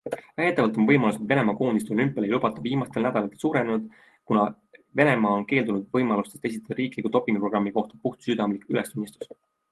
Väidetavalt on võimalus, et Venemaa koondist olümpiale ei lubata, viimastel nädalatel suurenenud, kuna Venemaa on keeldunud võimalusest esitada riikliku dopinguprogrammi kohta puhtsüdamlik ülestunnistus.